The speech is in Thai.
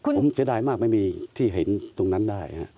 ผมเสียดายมากไม่มีที่เห็นตรงนั้นได้